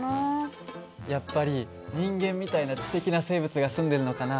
やっぱり人間みたいな知的な生物が住んでるのかな。